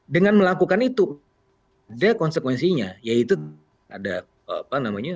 dengan melakukan itu ada konsekuensinya yaitu ada expansion